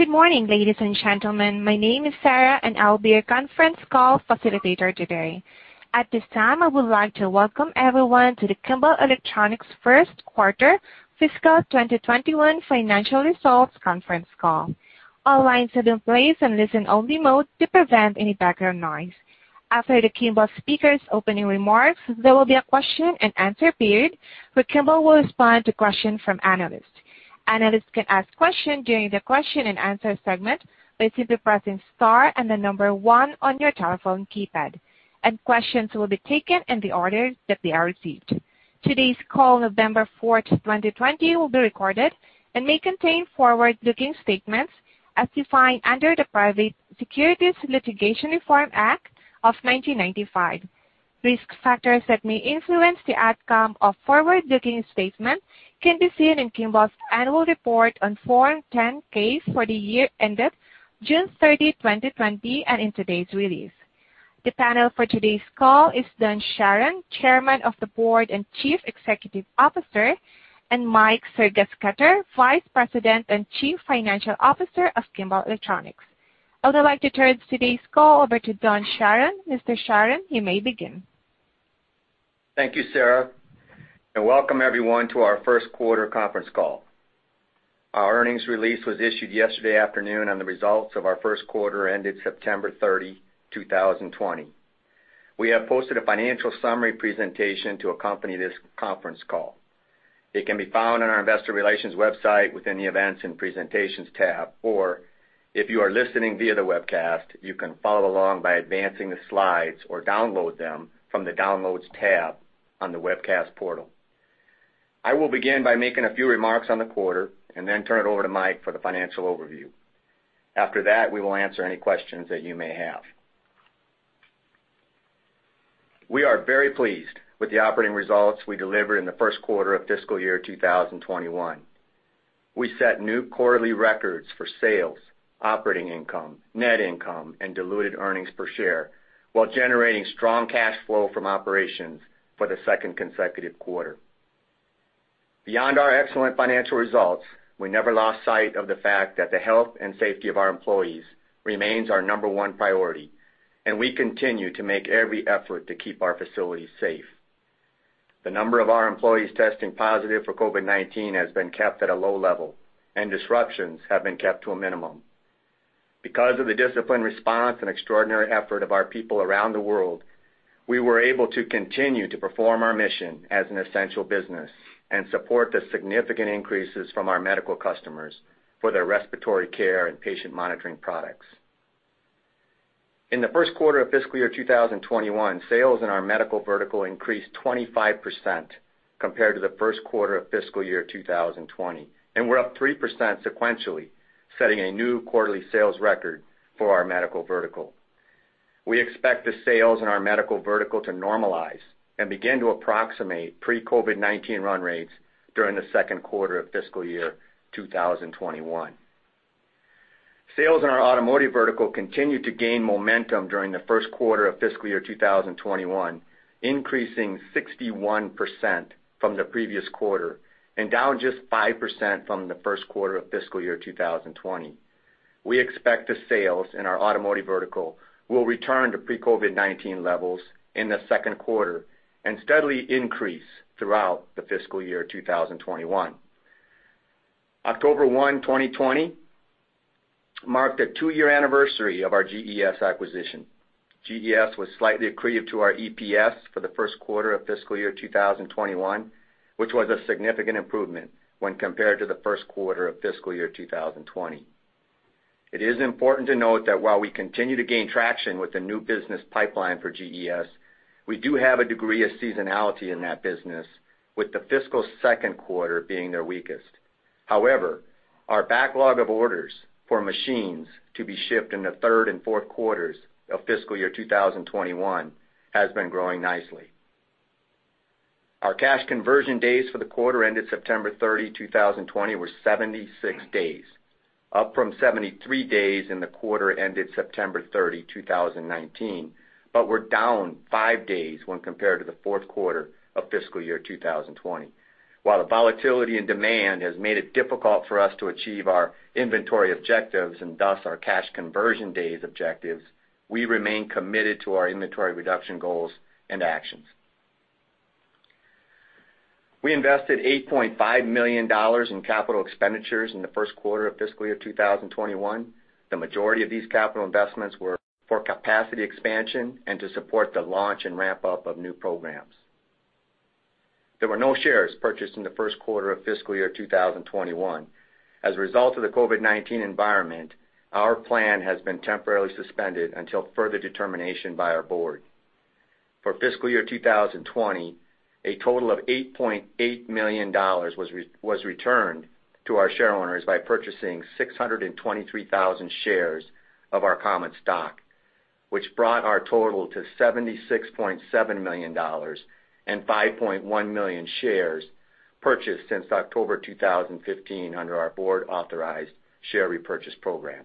Good morning, ladies and gentlemen. My name is Sarah. I'll be your conference call facilitator today. At this time, I would like to welcome everyone to the Kimball Electronics first quarter fiscal 2021 financial results conference call. All lines have been placed in listen-only mode to prevent any background noise. After the Kimball speakers' opening remarks, there will be a question and answer period where Kimball will respond to questions from analysts. Analysts can ask questions during the question and answer segment by simply pressing star and the number one on your telephone keypad, and questions will be taken in the order that they are received. Today's call, November 4th, 2020, will be recorded and may contain forward-looking statements as defined under the Private Securities Litigation Reform Act of 1995. Risk factors that may influence the outcome of forward-looking statements can be seen in Kimball's annual report on Form 10-K for the year ended June 30, 2020, and in today's release. The panel for today's call is Don Charron, Chairman of the Board and Chief Executive Officer, and Mike Sergesketter, Vice President and Chief Financial Officer of Kimball Electronics. I would like to turn today's call over to Don Charron. Mr. Charron, you may begin. Thank you, Sarah, welcome everyone to our first quarter conference call. Our earnings release was issued yesterday afternoon on the results of our first quarter ended September 30, 2020. We have posted a financial summary presentation to accompany this conference call. It can be found on our investor relations website within the Events & Presentations tab, or if you are listening via the webcast, you can follow along by advancing the slides or download them from the Downloads tab on the webcast portal. I will begin by making a few remarks on the quarter and then turn it over to Mike for the financial overview. After that, we will answer any questions that you may have. We are very pleased with the operating results we delivered in the first quarter of fiscal year 2021. We set new quarterly records for sales, operating income, net income, and diluted earnings per share while generating strong cash flow from operations for the second consecutive quarter. Beyond our excellent financial results, we never lost sight of the fact that the health and safety of our employees remains our number one priority, and we continue to make every effort to keep our facilities safe. The number of our employees testing positive for COVID-19 has been kept at a low level, and disruptions have been kept to a minimum. Because of the disciplined response and extraordinary effort of our people around the world, we were able to continue to perform our mission as an essential business and support the significant increases from our medical customers for their respiratory care and patient monitoring products. In the first quarter of fiscal year 2021, sales in our medical vertical increased 25% compared to the first quarter of fiscal year 2020, and were up 3% sequentially, setting a new quarterly sales record for our medical vertical. We expect the sales in our medical vertical to normalize and begin to approximate pre-COVID-19 run rates during the second quarter of fiscal year 2021. Sales in our automotive vertical continued to gain momentum during the first quarter of fiscal year 2021, increasing 61% from the previous quarter and down just 5% from the first quarter of fiscal year 2020. We expect the sales in our automotive vertical will return to pre-COVID-19 levels in the second quarter and steadily increase throughout the fiscal year 2021. October 1, 2020, marked the two-year anniversary of our GES acquisition. GES was slightly accretive to our EPS for the 1st quarter of fiscal year 2021, which was a significant improvement when compared to the 1st quarter of fiscal year 2020. It is important to note that while we continue to gain traction with the new business pipeline for GES, we do have a degree of seasonality in that business, with the fiscal 2nd quarter being their weakest. However, our backlog of orders for machines to be shipped in the 3rd and 4th quarters of fiscal year 2021 has been growing nicely. Our cash conversion days for the quarter ended September 30, 2020, were 76 days, up from 73 days in the quarter ended September 30, 2019, but were down five days when compared to the 4th quarter of fiscal year 2020. While the volatility in demand has made it difficult for us to achieve our inventory objectives, and thus our cash conversion days objectives, we remain committed to our inventory reduction goals and actions. We invested $8.5 million in capital expenditures in the first quarter of fiscal year 2021. The majority of these capital investments were for capacity expansion and to support the launch and ramp-up of new programs. There were no shares purchased in the first quarter of fiscal year 2021. As a result of the COVID-19 environment, our plan has been temporarily suspended until further determination by our board. For fiscal year 2020, a total of $8.8 million was returned to our shareholders by purchasing 623,000 shares of our common stock, which brought our total to $76.7 million and 5.1 million shares purchased since October 2015 under our board-authorized share repurchase program.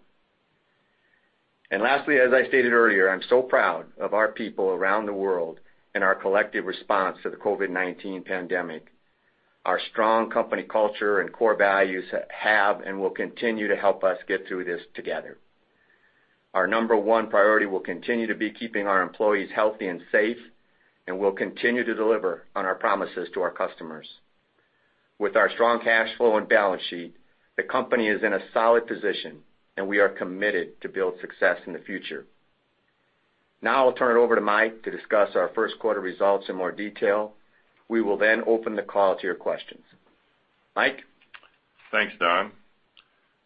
Lastly, as I stated earlier, I'm so proud of our people around the world and our collective response to the COVID-19 pandemic. Our strong company culture and core values have and will continue to help us get through this together. Our number one priority will continue to be keeping our employees healthy and safe, and we'll continue to deliver on our promises to our customers. With our strong cash flow and balance sheet, the company is in a solid position, and we are committed to build success in the future. Now I'll turn it over to Mike to discuss our first quarter results in more detail. We will then open the call to your questions. Mike? Thanks, Don.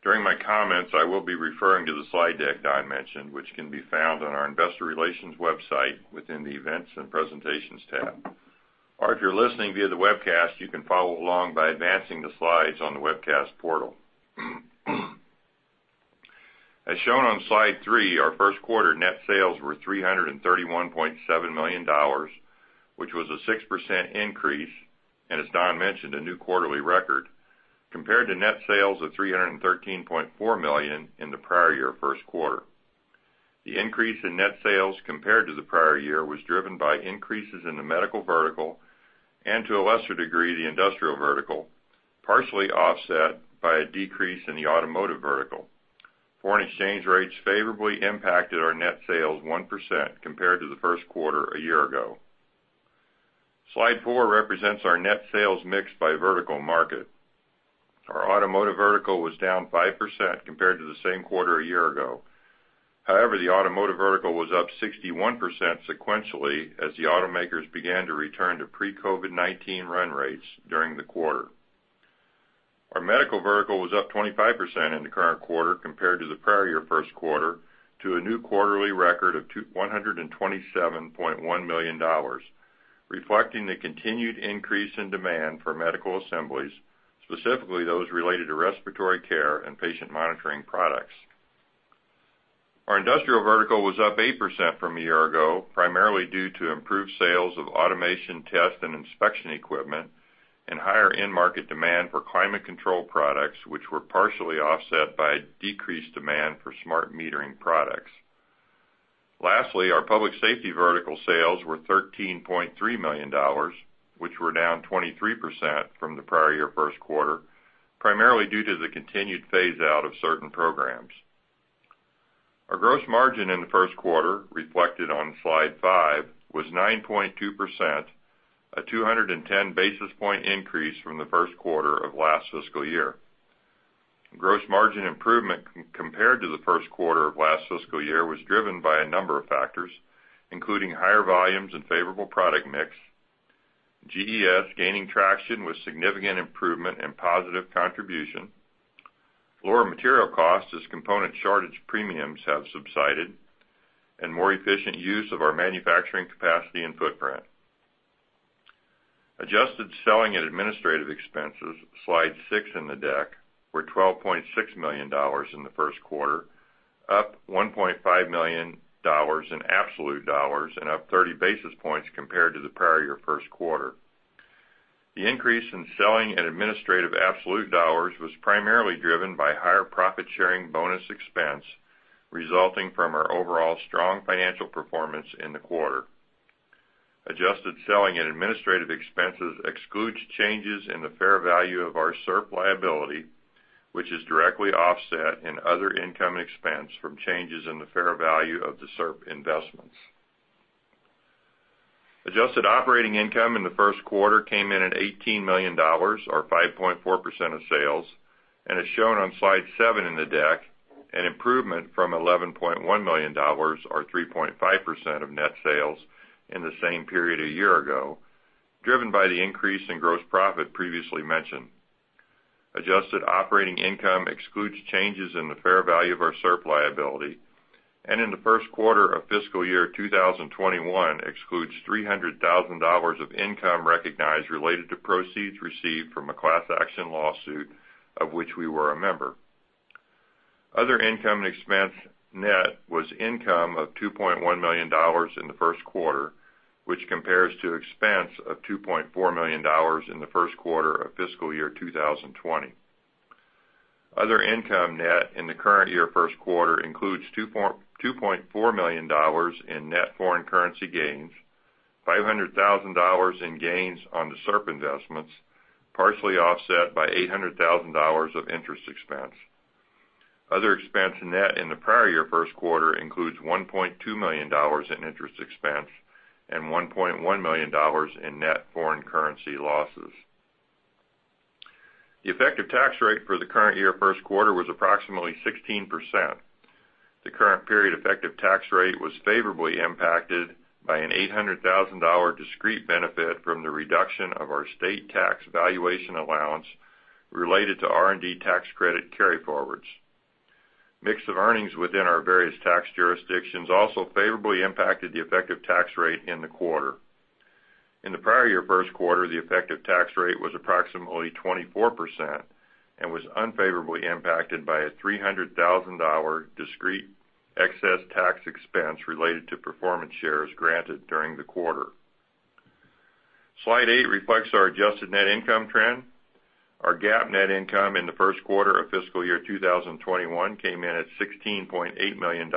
During my comments, I will be referring to the slide deck Don mentioned, which can be found on our investor relations website within the Events and Presentations tab. Or if you're listening via the webcast, you can follow along by advancing the slides on the webcast portal. As shown on slide three, our first quarter net sales were $331.7 million, which was a 6% increase, and as Don mentioned, a new quarterly record, compared to net sales of $313.4 million in the prior year first quarter. The increase in net sales compared to the prior year was driven by increases in the medical vertical, and to a lesser degree, the industrial vertical, partially offset by a decrease in the automotive vertical. Foreign exchange rates favorably impacted our net sales 1% compared to the first quarter a year ago. Slide four represents our net sales mix by vertical market. Our automotive vertical was down 5% compared to the same quarter a year ago. However, the automotive vertical was up 61% sequentially as the automakers began to return to pre-COVID-19 run rates during the quarter. Our medical vertical was up 25% in the current quarter compared to the prior year first quarter, to a new quarterly record of $127.1 million, reflecting the continued increase in demand for medical assemblies, specifically those related to respiratory care and patient monitoring products. Our industrial vertical was up 8% from a year ago, primarily due to improved sales of automation test and inspection equipment and higher end market demand for climate control products, which were partially offset by decreased demand for smart metering products. Lastly, our public safety vertical sales were $13.3 million, which were down 23% from the prior year first quarter, primarily due to the continued phase-out of certain programs. Our gross margin in the first quarter, reflected on slide five, was 9.2%, a 210 basis point increase from the first quarter of last fiscal year. Gross margin improvement compared to the first quarter of last fiscal year was driven by a number of factors, including higher volumes and favorable product mix, GES gaining traction with significant improvement and positive contribution, lower material costs as component shortage premiums have subsided, and more efficient use of our manufacturing capacity and footprint. Adjusted selling and administrative expenses, slide six in the deck, were $12.6 million in the first quarter, up $1.5 million in absolute dollars and up 30 basis points compared to the prior year first quarter. The increase in selling and administrative absolute dollars was primarily driven by higher profit-sharing bonus expense resulting from our overall strong financial performance in the quarter. Adjusted selling and administrative expenses excludes changes in the fair value of our SERP liability, which is directly offset in other income expense from changes in the fair value of the SERP investments. Adjusted operating income in the first quarter came in at $18 million, or 5.4% of sales, and as shown on Slide seven in the deck, an improvement from $11.1 million, or 3.5% of net sales in the same period a year ago, driven by the increase in gross profit previously mentioned. Adjusted operating income excludes changes in the fair value of our SERP liability, and in the first quarter of fiscal year 2021 excludes $300,000 of income recognized related to proceeds received from a class action lawsuit of which we were a member. Other income and expense net was income of $2.1 million in the first quarter, which compares to expense of $2.4 million in the first quarter of fiscal year 2020. Other income net in the current year first quarter includes $2.4 million in net foreign currency gains, $500,000 in gains on the SERP investments, partially offset by $800,000 of interest expense. Other expense net in the prior year first quarter includes $1.2 million in interest expense and $1.1 million in net foreign currency losses. The effective tax rate for the current year first quarter was approximately 16%. The current period effective tax rate was favorably impacted by an $800,000 discrete benefit from the reduction of our state tax valuation allowance related to R&D tax credit carryforwards. Mix of earnings within our various tax jurisdictions also favorably impacted the effective tax rate in the quarter. In the prior year first quarter, the effective tax rate was approximately 24% and was unfavorably impacted by a $300,000 discrete excess tax expense related to performance shares granted during the quarter. Slide eight reflects our adjusted net income trend. Our GAAP net income in the first quarter of fiscal year 2021 came in at $16.8 million,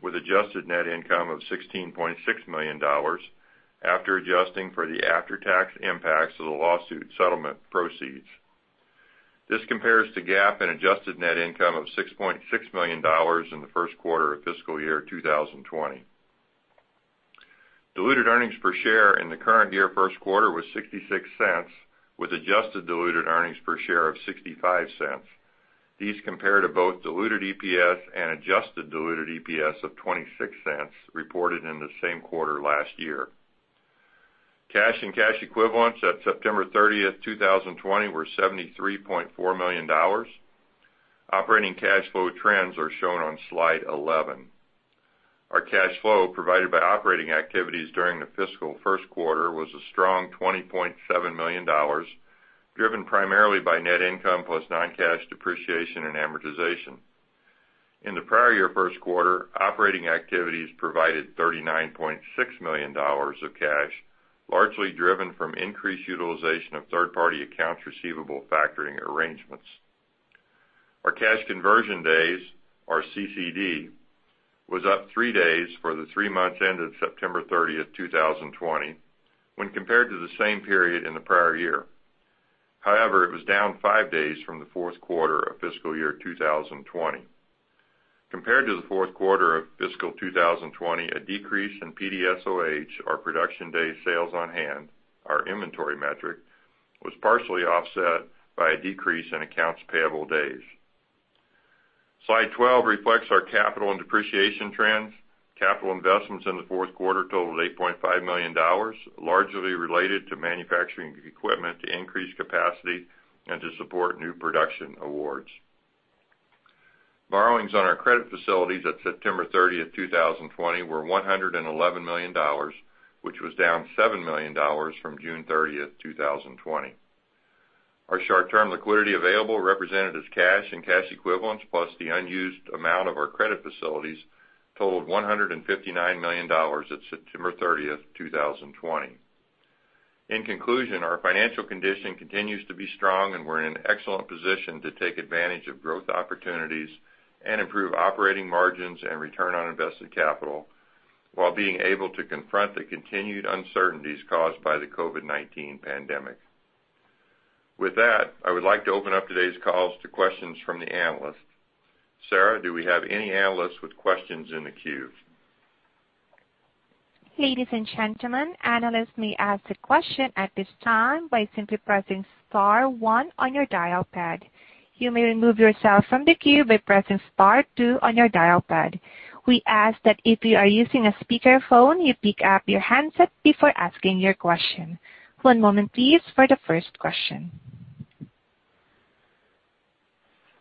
with adjusted net income of $16.6 million after adjusting for the after-tax impacts of the lawsuit settlement proceeds. This compares to GAAP and adjusted net income of $6.6 million in the first quarter of fiscal year 2020. Diluted earnings per share in the current year first quarter was $0.66, with adjusted diluted earnings per share of $0.65. These compare to both diluted EPS and adjusted diluted EPS of $0.26 reported in the same quarter last year. Cash and cash equivalents at September 30th, 2020 were $73.4 million. Operating cash flow trends are shown on slide 11. Our cash flow provided by operating activities during the fiscal first quarter was a strong $20.7 million, driven primarily by net income plus non-cash depreciation and amortization. In the prior year first quarter, operating activities provided $39.6 million of cash, largely driven from increased utilization of third-party accounts receivable factoring arrangements. Our cash conversion days, our CCD, was up three days for the three months ended September 30th, 2020 when compared to the same period in the prior year. However, it was down five days from the fourth quarter of fiscal year 2020. Compared to the fourth quarter of fiscal 2020, a decrease in PDSOH, our production day sales on hand, our inventory metric, was partially offset by a decrease in accounts payable days. Slide 12 reflects our capital and depreciation trends. Capital investments in the fourth quarter totaled $8.5 million, largely related to manufacturing equipment to increase capacity and to support new production awards. Borrowings on our credit facilities at September 30th, 2020 were $111 million, which was down $7 million from June 30th, 2020. Our short-term liquidity available represented as cash and cash equivalents plus the unused amount of our credit facilities totaled $159 million at September 30th, 2020. In conclusion, our financial condition continues to be strong, and we're in an excellent position to take advantage of growth opportunities and improve operating margins and return on invested capital while being able to confront the continued uncertainties caused by the COVID-19 pandemic. With that, I would like to open up today's calls to questions from the analysts. Sarah, do we have any analysts with questions in the queue? Ladies and gentlemen, analysts may ask a question at this time by simply pressing star one on your dial pad. You may remove yourself from the queue by pressing star two on your dial pad. We ask that if you are using a speakerphone, you pick up your handset before asking your question. One moment please for the first question.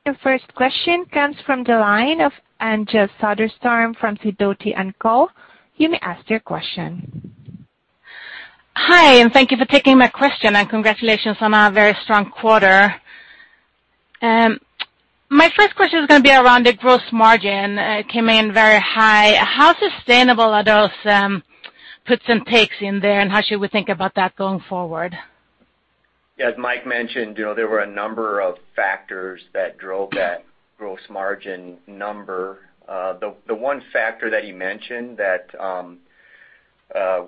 Your first question comes from the line of Anja Soderstrom from Sidoti & Co.. You may ask your question. Hi, thank you for taking my question, and congratulations on a very strong quarter. My first question is going to be around the gross margin. It came in very high. How sustainable are those puts and takes in there, and how should we think about that going forward? As Mike mentioned, there were a number of factors that drove that gross margin number. The one factor that he mentioned that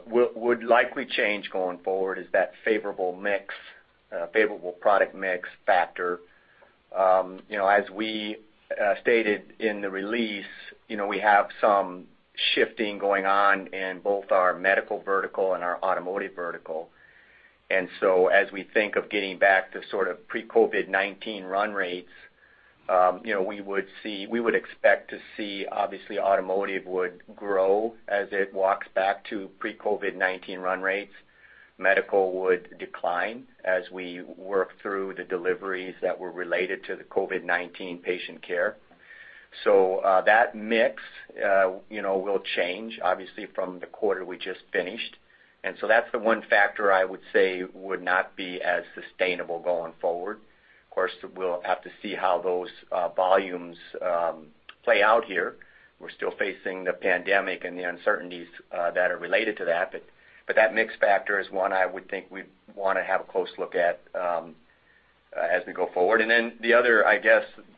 would likely change going forward is that favorable product mix factor. As we stated in the release, we have some shifting going on in both our medical vertical and our automotive vertical. As we think of getting back to pre-COVID-19 run rates, we would expect to see, obviously, automotive would grow as it walks back to pre-COVID-19 run rates. Medical would decline as we work through the deliveries that were related to the COVID-19 patient care. That mix will change, obviously, from the quarter we just finished. That's the one factor I would say would not be as sustainable going forward. Of course, we'll have to see how those volumes play out here. We're still facing the pandemic and the uncertainties that are related to that. That mix factor is one I would think we'd want to have a close look at as we go forward. The other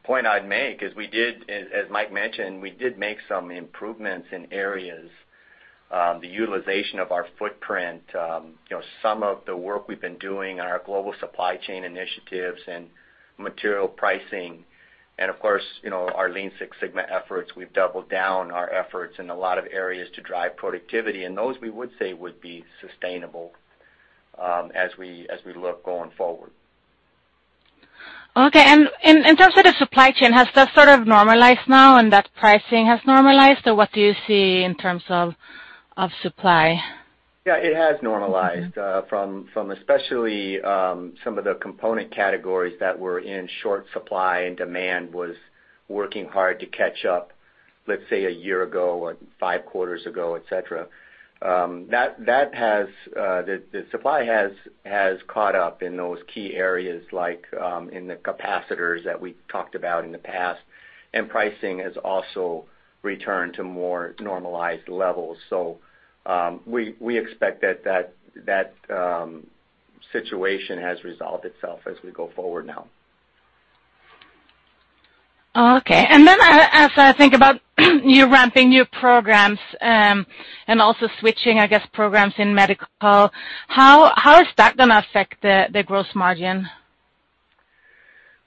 point I'd make is we did, as Mike mentioned, we did make some improvements in areas. The utilization of our footprint, some of the work we've been doing on our global supply chain initiatives and material pricing. Of course, our Lean Six Sigma efforts. We've doubled down our efforts in a lot of areas to drive productivity. Those we would say would be sustainable as we look going forward. Okay. In terms of the supply chain, has that normalized now and that pricing has normalized? What do you see in terms of supply? Yeah, it has normalized from especially some of the component categories that were in short supply and demand was working hard to catch up, let's say a year ago or five quarters ago, et cetera. The supply has caught up in those key areas like in the capacitors that we talked about in the past, and pricing has also returned to more normalized levels. We expect that that situation has resolved itself as we go forward now. Okay. As I think about you ramping new programs and also switching, I guess, programs in medical, how is that going to affect the gross margin?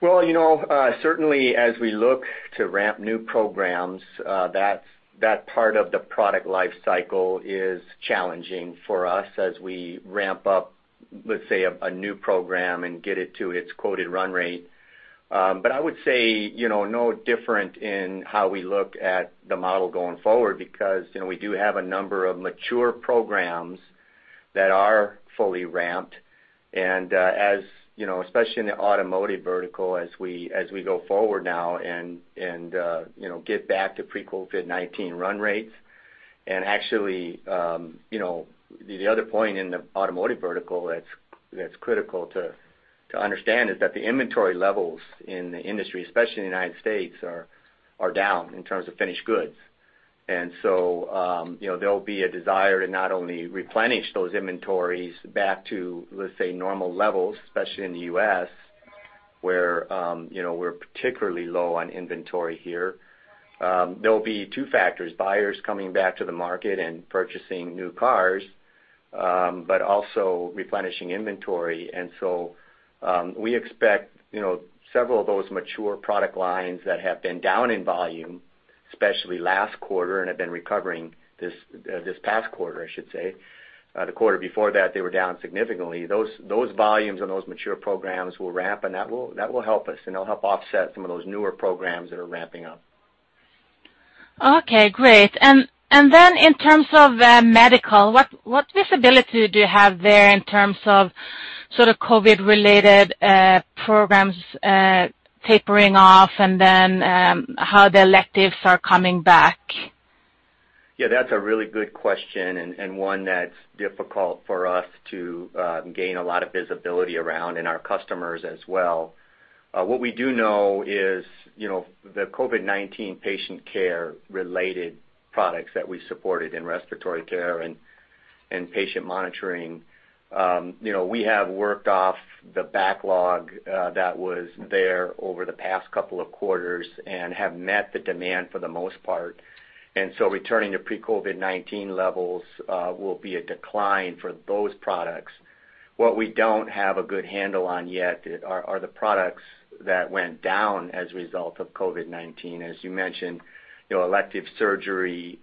Well, certainly as we look to ramp new programs, that part of the product life cycle is challenging for us as we ramp up, let's say, a new program and get it to its quoted run rate. I would say, no different in how we look at the model going forward, because we do have a number of mature programs that are fully ramped, especially in the automotive vertical as we go forward now and get back to pre-COVID-19 run rates. Actually, the other point in the automotive vertical that's critical to understand is that the inventory levels in the industry, especially in the United States, are down in terms of finished goods. There'll be a desire to not only replenish those inventories back to, let's say, normal levels, especially in the U.S., where we're particularly low on inventory here. There'll be two factors, buyers coming back to the market and purchasing new cars, but also replenishing inventory. We expect several of those mature product lines that have been down in volume, especially last quarter, and have been recovering this past quarter, I should say. The quarter before that, they were down significantly. Those volumes on those mature programs will ramp, and that will help us, and it'll help offset some of those newer programs that are ramping up. Okay, great. In terms of medical, what visibility do you have there in terms of sort of COVID related programs tapering off and then how the electives are coming back? Yeah, that's a really good question and one that's difficult for us to gain a lot of visibility around and our customers as well. What we do know is the COVID-19 patient care related products that we supported in respiratory care and patient monitoring, we have worked off the backlog that was there over the past couple of quarters and have met the demand for the most part. Returning to pre-COVID-19 levels will be a decline for those products. What we don't have a good handle on yet are the products that went down as a result of COVID-19. As you mentioned, elective surgery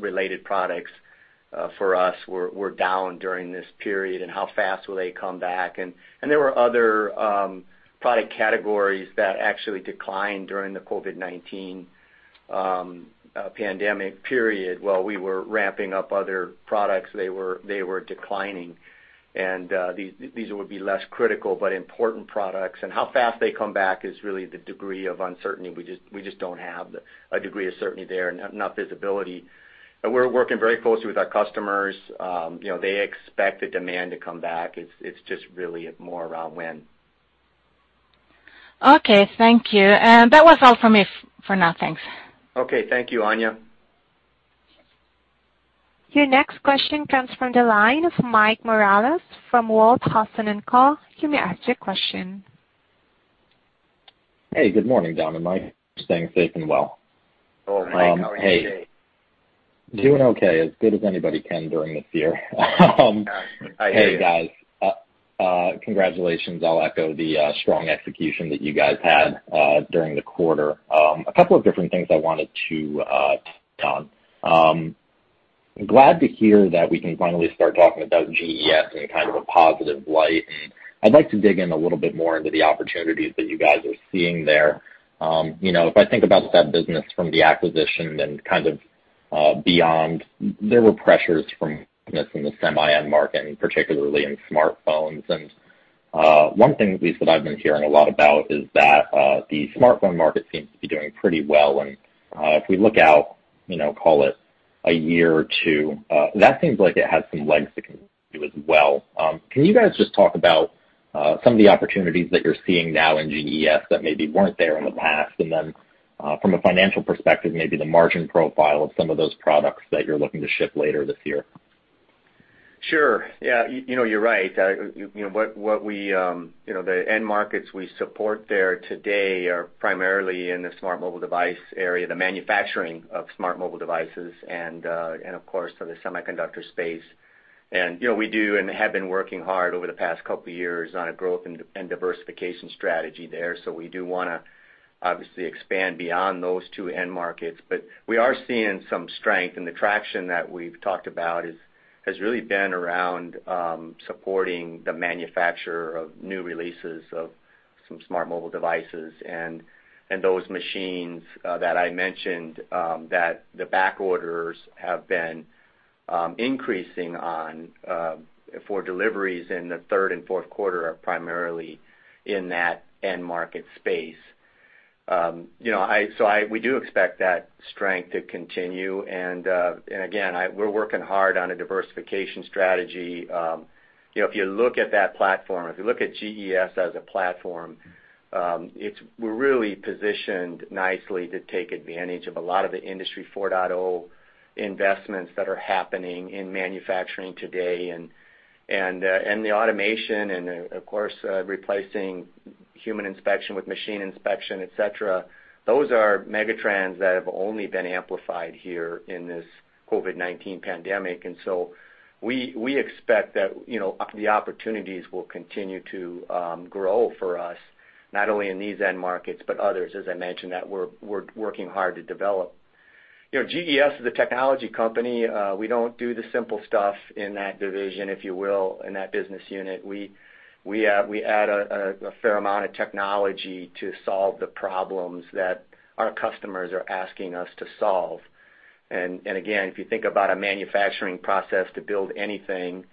related products for us were down during this period. How fast will they come back? There were other product categories that actually declined during the COVID-19 pandemic period. While we were ramping up other products, they were declining. These would be less critical but important products. How fast they come back is really the degree of uncertainty. We just don't have a degree of certainty there and not visibility. We're working very closely with our customers. They expect the demand to come back. It's just really more around when. Okay, thank you. That was all for me for now, thanks. Okay, thank you, Anja. Your next question comes from the line of Mike Morales from Walthausen & Co. You may ask your question. Hey, good morning, gentlemen. Hope you're staying safe and well. Oh, Mike, how are you today? Doing okay. As good as anybody can during this year. I hear you. Hey, guys. Congratulations. I'll echo the strong execution that you guys had during the quarter. A couple of different things I wanted to touch on. Glad to hear that we can finally start talking about GES in kind of a positive light. I'd like to dig in a little bit more into the opportunities that you guys are seeing there. If I think about that business from the acquisition and kind of beyond, there were pressures from weakness in the semi-end market and particularly in smartphones. One thing, at least that I've been hearing a lot about, is that the smartphone market seems to be doing pretty well. If we look out, call it a year or two, that seems like it has some legs that can do as well. Can you guys just talk about some of the opportunities that you're seeing now in GES that maybe weren't there in the past? From a financial perspective, maybe the margin profile of some of those products that you're looking to ship later this year. Sure. You're right. The end markets we support there today are primarily in the smart mobile device area, the manufacturing of smart mobile devices and, of course, for the semiconductor space. We do and have been working hard over the past couple of years on a growth and diversification strategy there. We do want to obviously expand beyond those two end markets, but we are seeing some strength, and the traction that we've talked about has really been around supporting the manufacturer of new releases of some smart mobile devices and those machines that I mentioned that the back orders have been increasing on for deliveries in the third and fourth quarter are primarily in that end market space. We do expect that strength to continue, and again, we're working hard on a diversification strategy. If you look at that platform, if you look at GES as a platform, we're really positioned nicely to take advantage of a lot of the Industry 4.0 investments that are happening in manufacturing today and the automation and, of course, replacing human inspection with machine inspection, et cetera. Those are megatrends that have only been amplified here in this COVID-19 pandemic. We expect that the opportunities will continue to grow for us, not only in these end markets, but others, as I mentioned, that we're working hard to develop. GES is a technology company. We don't do the simple stuff in that division, if you will, in that business unit. We add a fair amount of technology to solve the problems that our customers are asking us to solve. Again, if you think about a manufacturing process to build anything,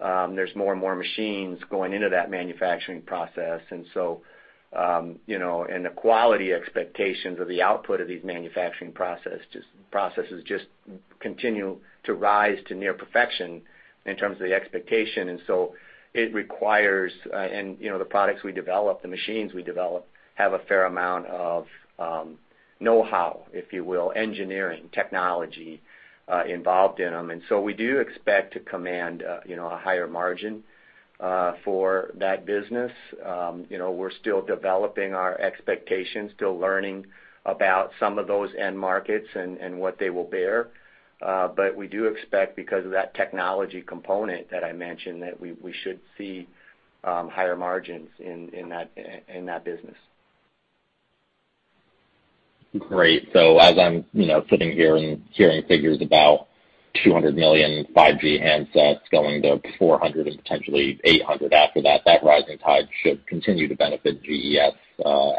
there's more and more machines going into that manufacturing process. The quality expectations of the output of these manufacturing processes just continue to rise to near perfection in terms of the expectation. The products we develop, the machines we develop, have a fair amount of know-how, if you will, engineering, technology involved in them. We do expect to command a higher margin for that business. We're still developing our expectations, still learning about some of those end markets and what they will bear. We do expect because of that technology component that I mentioned, that we should see higher margins in that business. Great. As I'm sitting here and hearing figures about 200 million 5G handsets going to 400 and potentially 800 after that rising tide should continue to benefit GES,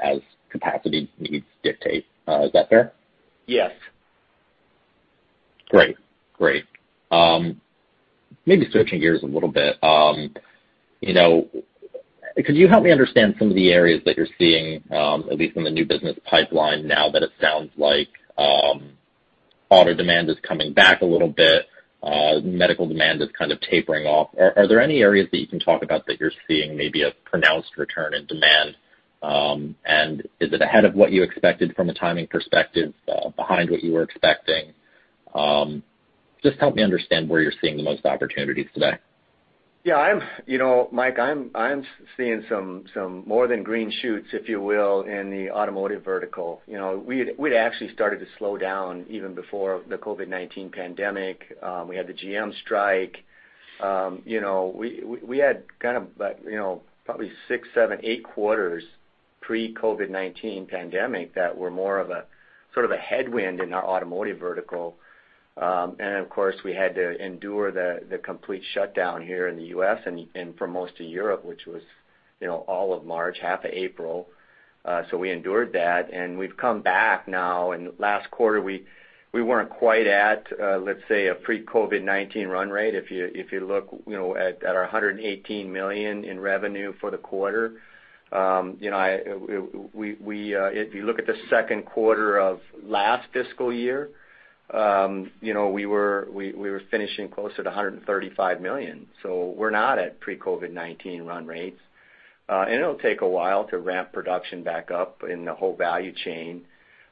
as capacity needs dictate. Is that fair? Yes. Great. Maybe switching gears a little bit. Could you help me understand some of the areas that you're seeing, at least in the new business pipeline now that it sounds like auto demand is coming back a little bit, medical demand is kind of tapering off. Are there any areas that you can talk about that you're seeing maybe a pronounced return in demand? Is it ahead of what you expected from a timing perspective, behind what you were expecting? Just help me understand where you're seeing the most opportunities today. Yeah, Mike, I'm seeing some more than green shoots, if you will, in the automotive vertical. We'd actually started to slow down even before the COVID-19 pandemic. We had the GM strike. We had probably six, seven, eight quarters pre-COVID-19 pandemic that were more of a sort of a headwind in our automotive vertical. Of course, we had to endure the complete shutdown here in the U.S. and for most of Europe, which was all of March, half of April. We endured that, and we've come back now. Last quarter, we weren't quite at, let's say, a pre-COVID-19 run rate. If you look at our $118 million in revenue for the quarter, if you look at the second quarter of last fiscal year, we were finishing closer to $135 million. We're not at pre-COVID-19 run rates. It'll take a while to ramp production back up in the whole value chain.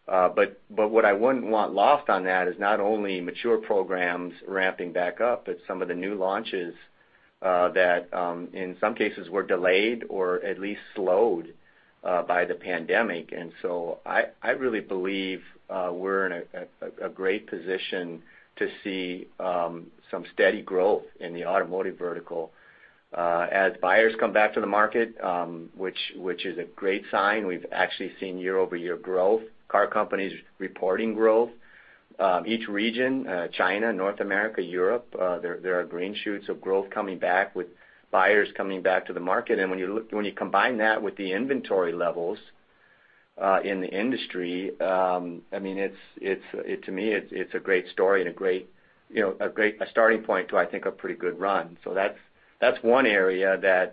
What I wouldn't want lost on that is not only mature programs ramping back up, but some of the new launches that, in some cases, were delayed or at least slowed by the pandemic. I really believe we're in a great position to see some steady growth in the automotive vertical as buyers come back to the market, which is a great sign. We've actually seen year-over-year growth, car companies reporting growth. Each region, China, North America, Europe, there are green shoots of growth coming back with buyers coming back to the market. When you combine that with the inventory levels in the industry, to me, it's a great story and a starting point to, I think, a pretty good run. That's one area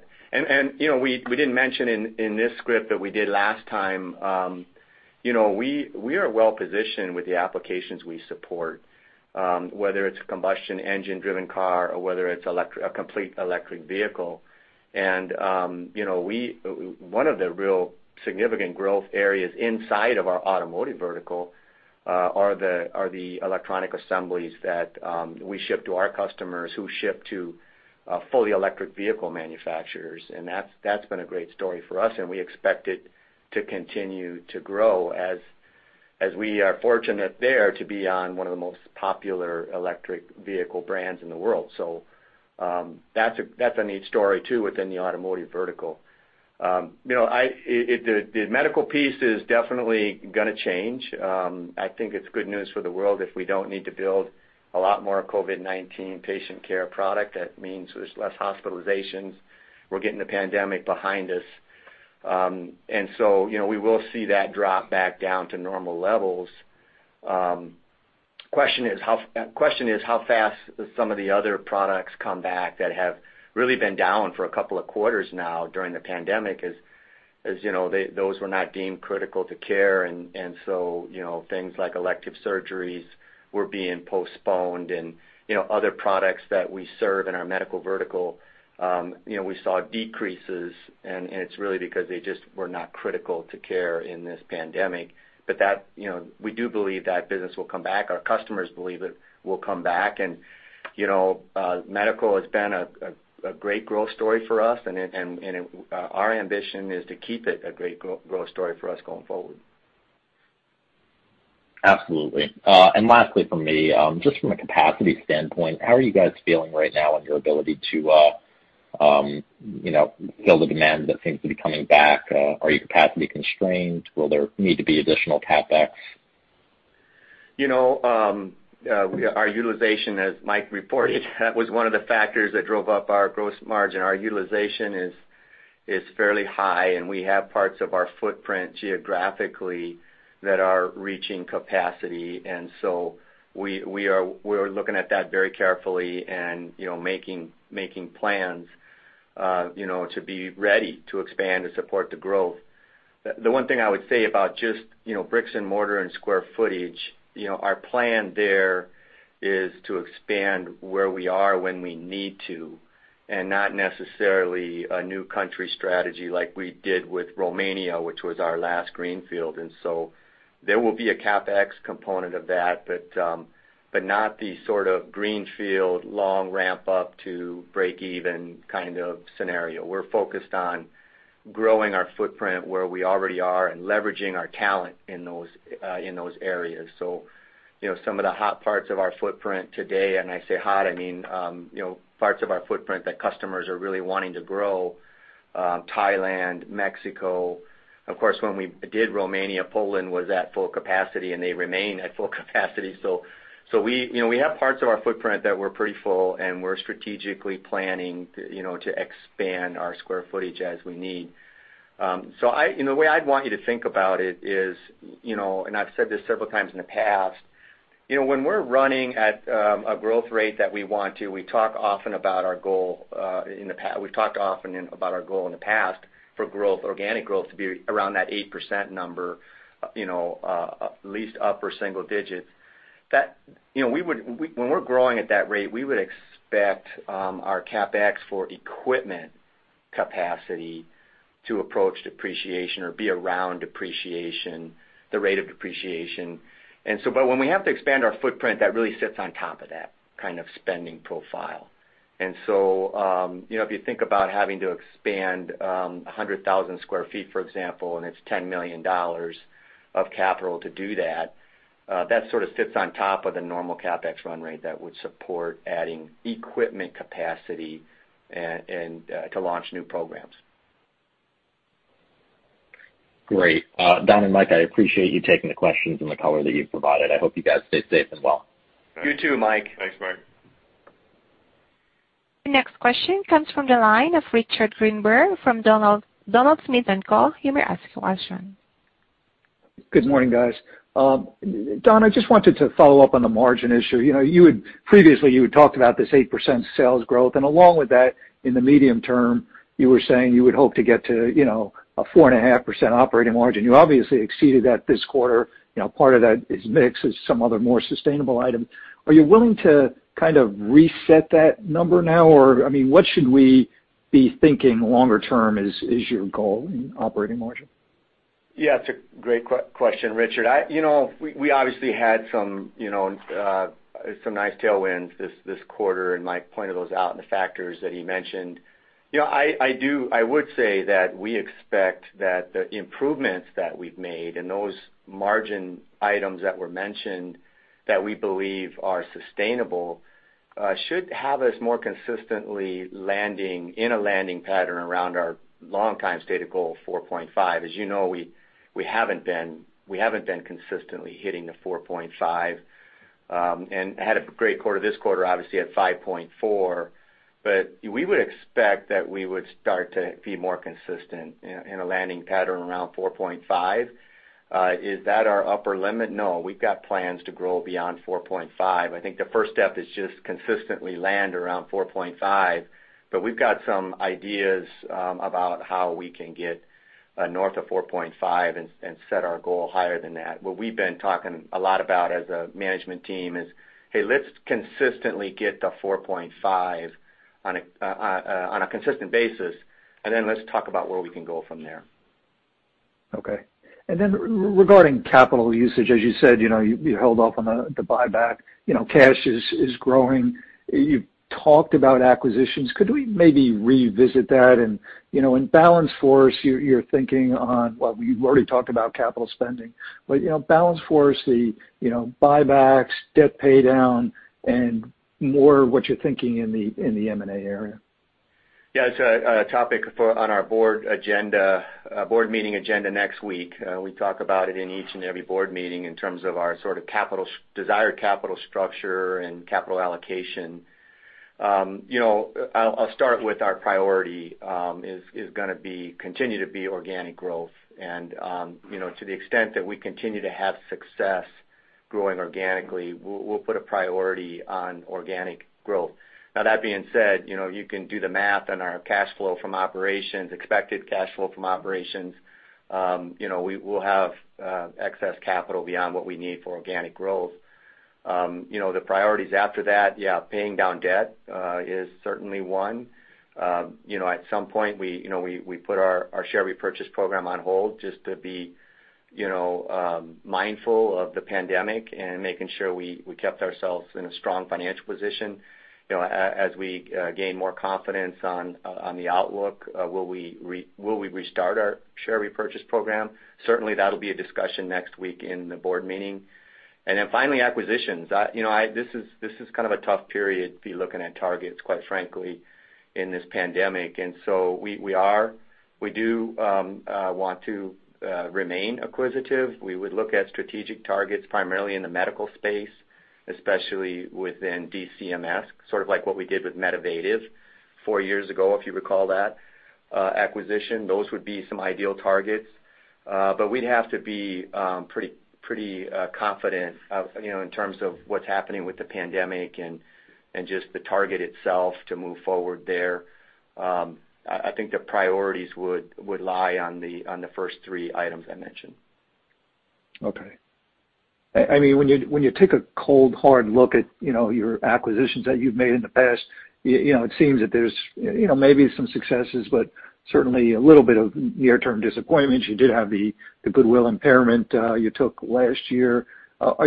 we didn't mention in this script that we did last time, we are well positioned with the applications we support, whether it's a combustion engine driven car, or whether it's a complete electric vehicle. One of the real significant growth areas inside of our automotive vertical are the electronic assemblies that we ship to our customers who ship to fully electric vehicle manufacturers. That's been a great story for us, and we expect it to continue to grow as we are fortunate there to be on one of the most popular electric vehicle brands in the world. That's a neat story, too, within the automotive vertical. The medical piece is definitely going to change. I think it's good news for the world if we don't need to build a lot more COVID-19 patient care product. That means there's less hospitalizations. We're getting the pandemic behind us. We will see that drop back down to normal levels. Question is how fast do some of the other products come back that have really been down for a couple of quarters now during the pandemic, as those were not deemed critical to care, and so things like elective surgeries were being postponed and other products that we serve in our medical vertical we saw decreases, and it's really because they just were not critical to care in this pandemic. We do believe that business will come back. Our customers believe it will come back. Medical has been a great growth story for us, and our ambition is to keep it a great growth story for us going forward. Absolutely. Lastly from me, just from a capacity standpoint, how are you guys feeling right now on your ability to fill the demand that seems to be coming back? Are you capacity constrained? Will there need to be additional CapEx? Our utilization, as Mike reported, that was one of the factors that drove up our gross margin. Our utilization is fairly high, and we have parts of our footprint geographically that are reaching capacity. We are looking at that very carefully and making plans to be ready to expand to support the growth. The one thing I would say about just bricks and mortar and square footage, our plan there is to expand where we are when we need to, and not necessarily a new country strategy like we did with Romania, which was our last greenfield. There will be a CapEx component of that, but not the sort of greenfield long ramp-up to break even kind of scenario. We're focused on growing our footprint where we already are and leveraging our talent in those areas. Some of the hot parts of our footprint today, and I say hot, I mean parts of our footprint that customers are really wanting to grow, Thailand, Mexico. Of course, when we did Romania, Poland was at full capacity, and they remain at full capacity. We have parts of our footprint that we're pretty full, and we're strategically planning to expand our square footage as we need. The way I'd want you to think about it is, and I've said this several times in the past, when we're running at a growth rate that we want to, we talk often about our goal in the past for organic growth to be around that 8% number, at least upper single digits. When we're growing at that rate, we would expect our CapEx for equipment capacity to approach depreciation or be around depreciation, the rate of depreciation. When we have to expand our footprint, that really sits on top of that kind of spending profile. If you think about having to expand 100,000 sq ft, for example, and it's $10 million of capital to do that sort of sits on top of the normal CapEx run rate that would support adding equipment capacity to launch new programs. Great. Don and Mike, I appreciate you taking the questions and the color that you've provided. I hope you guys stay safe as well. You too, Mike. Thanks, Mike. Next question comes from the line of Richard Greenberg from Donald Smith & Co. You may ask your question. Good morning, guys. Don, I just wanted to follow up on the margin issue. Previously, you had talked about this 8% sales growth, and along with that, in the medium term, you were saying you would hope to get to a 4.5% operating margin. You obviously exceeded that this quarter. Part of that is mix, is some other more sustainable item. Are you willing to kind of reset that number now? Or what should we be thinking longer term is your goal in operating margin? Yeah, it's a great question, Richard. We obviously had some nice tailwinds this quarter, and Mike pointed those out and the factors that he mentioned. I would say that we expect that the improvements that we've made and those margin items that were mentioned that we believe are sustainable should have us more consistently landing in a landing pattern around our long-time stated goal of 4.5%. As you know, we haven't been consistently hitting the 4.5%, and had a great quarter this quarter, obviously at 5.4%. We would expect that we would start to be more consistent in a landing pattern around 4.5%. Is that our upper limit? No, we've got plans to grow beyond 4.5%. I think the first step is just consistently land around 4.5%, but we've got some ideas about how we can get north of 4.5% and set our goal higher than that. What we've been talking a lot about as a management team is, "Hey, let's consistently get to 4.5% on a consistent basis, and then let's talk about where we can go from there. Okay. Regarding capital usage, as you said, you held off on the buyback. Cash is growing. You talked about acquisitions. Could we maybe revisit that? In balance force, you're thinking on, well, you've already talked about capital spending, but balance force, the buybacks, debt paydown, and more what you're thinking in the M&A area. Yeah, it's a topic on our board meeting agenda next week. We talk about it in each and every board meeting in terms of our sort of desired capital structure and capital allocation. I'll start with our priority is going to continue to be organic growth. To the extent that we continue to have success growing organically, we'll put a priority on organic growth. Now, that being said, you can do the math on our cash flow from operations, expected cash flow from operations. We'll have excess capital beyond what we need for organic growth. The priorities after that, yeah, paying down debt is certainly one. At some point, we put our share repurchase program on hold just to be mindful of the pandemic and making sure we kept ourselves in a strong financial position. As we gain more confidence on the outlook, will we restart our share repurchase program? Certainly, that'll be a discussion next week in the Board meeting. Finally, acquisitions. This is kind of a tough period to be looking at targets, quite frankly, in this pandemic. We do want to remain acquisitive. We would look at strategic targets primarily in the medical space, especially within DCMS, sort of like what we did with Medivative four years ago, if you recall that acquisition. Those would be some ideal targets. We'd have to be pretty confident in terms of what's happening with the pandemic and just the target itself to move forward there. I think the priorities would lie on the first three items I mentioned. When you take a cold, hard look at your acquisitions that you've made in the past, it seems that there's maybe some successes, but certainly a little bit of near-term disappointment. You did have the goodwill impairment you took last year. Has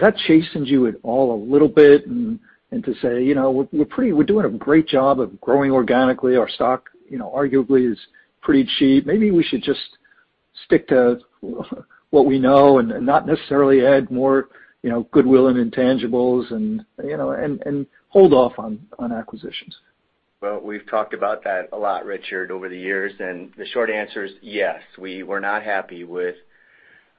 that chastened you at all a little bit and to say, "We're doing a great job of growing organically. Our stock arguably is pretty cheap. Maybe we should just stick to what we know and not necessarily add more goodwill and intangibles, and hold off on acquisitions"? Well, we've talked about that a lot, Richard, over the years. The short answer is yes. We were not happy with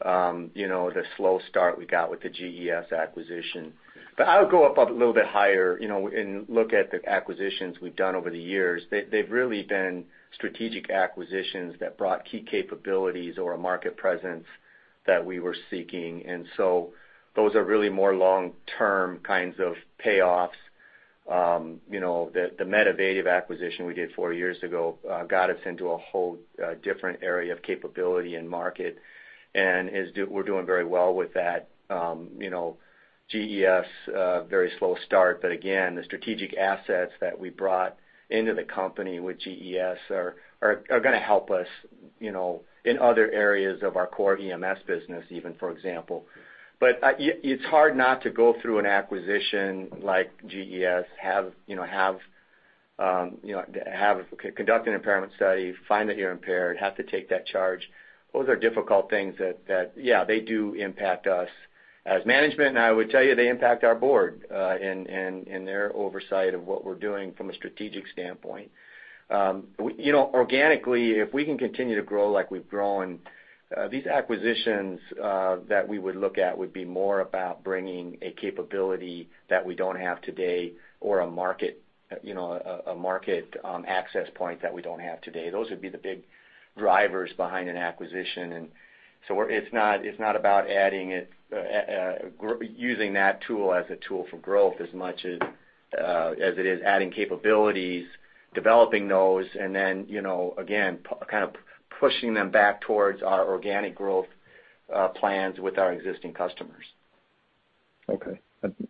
the slow start we got with the GES acquisition. I would go up a little bit higher and look at the acquisitions we've done over the years. They've really been strategic acquisitions that brought key capabilities or a market presence that we were seeking. Those are really more long-term kinds of payoffs. The Medivative acquisition we did four years ago got us into a whole different area of capability and market, and we're doing very well with that. GES, very slow start. Again, the strategic assets that we brought into the company with GES are going to help us in other areas of our core EMS business even, for example. It's hard not to go through an acquisition like GES, conduct an impairment study, find that you're impaired, have to take that charge. Those are difficult things that, yeah, they do impact us as management, and I would tell you they impact our board and their oversight of what we're doing from a strategic standpoint. Organically, if we can continue to grow like we've grown, these acquisitions that we would look at would be more about bringing a capability that we don't have today or a market access point that we don't have today. Those would be the big drivers behind an acquisition. It's not about using that tool as a tool for growth as much as it is adding capabilities, developing those, and then, again, kind of pushing them back towards our organic growth plans with our existing customers. Okay.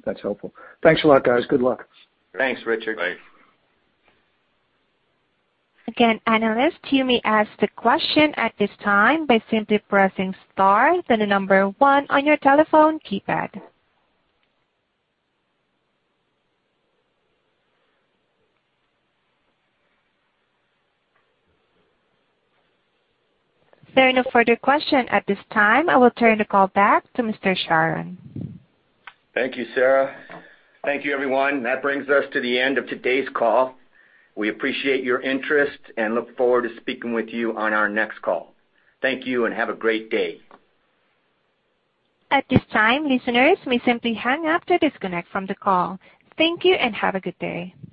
That's helpful. Thanks a lot, guys. Good luck. Thanks, Richard. Bye. Again, analysts, you may ask the question at this time by simply pressing star, then the number one on your telephone keypad. There are no further question at this time. I will turn the call back to Mr. Charron. Thank you, Sarah. Thank you, everyone. That brings us to the end of today's call. We appreciate your interest and look forward to speaking with you on our next call. Thank you and have a great day. At this time, listeners may simply hang up to disconnect from the call. Thank you and have a good day.